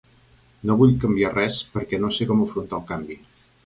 No vull canviar res, perquè no sé com afrontar el canvi.